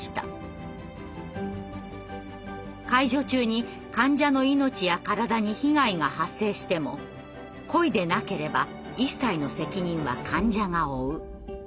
「介助中に患者の命や体に被害が発生しても故意でなければ一切の責任は患者が負う」。